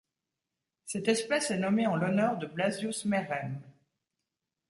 Cette espèce est nommée en l'honneur de Blasius Merrem.